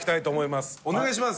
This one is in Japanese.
お願いします。